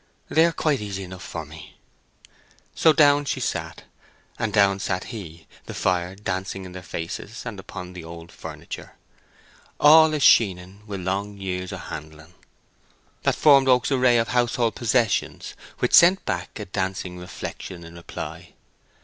"They are quite easy enough for me." So down she sat, and down sat he, the fire dancing in their faces, and upon the old furniture, all a sheenen Wi' long years o' handlen, that formed Oak's array of household possessions, which sent back a dancing reflection in reply.